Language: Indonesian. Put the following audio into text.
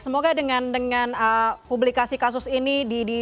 semoga dengan publikasi kasus ini